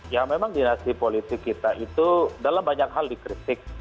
ya memang dinasti politik kita itu dalam banyak hal dikritik